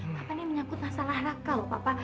papa ini menyangkut masalah raka loh papa